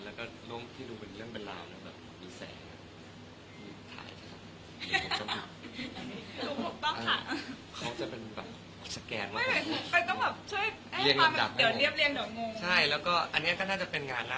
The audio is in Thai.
และที่ดูเป็นเรื่องเป็นราวน์